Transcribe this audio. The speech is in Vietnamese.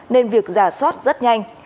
nên việc giả sót rất nhanh